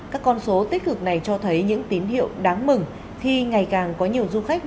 các con số tích cực này cho thấy những tín hiệu đáng mừng khi ngày càng có nhiều du khách